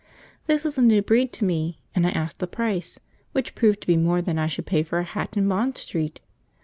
This was a new breed to me and I asked the price, which proved to be more than I should pay for a hat in Bond Street.